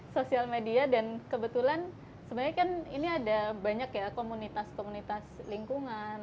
sosial media dan kebetulan sebenarnya kan ini ada banyak ya komunitas komunitas lingkungan